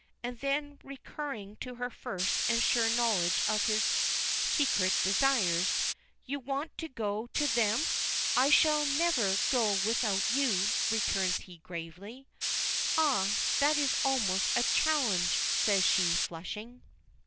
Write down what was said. And then, recurring to her first and sure knowledge of his secret desires, "you want to go to them?" "I shall never go without you," returns he gravely. "Ah! that is almost a challenge," says she, flushing.